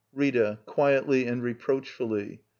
Rita. [Quietly and reproachfully.